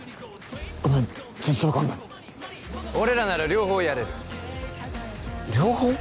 ごめん全然分かんない俺らなら両方やれる両方？